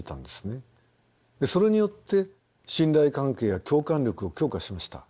それによって信頼関係や共感力を強化しました。